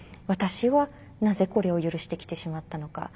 私はなぜこれを許してきてしまったのか。